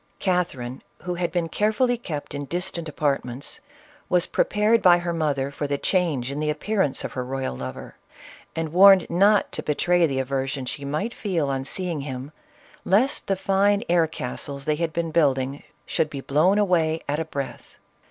Catherine, who had been carefully kept in distant apartments, was prepared by her mother for the change in the appearance of her royal lover, and warned not to betray the aversion she might feel on seeing him, lest the fine air castles they had been building should be blown away at a breath.